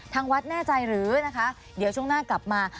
ทางวัดแน่ใจหรือนะคะเดี๋ยวช่วงหน้ากลับมา